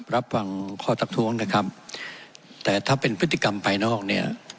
รับฟังข้อทักท้วงนะครับแต่ถ้าเป็นพฤติกรรมภายนอกเนี่ย